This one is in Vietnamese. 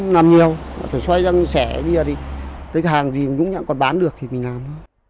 làm nhiều phải xoay răng xẻ bia đi tới hàng gì cũng còn bán được thì mình làm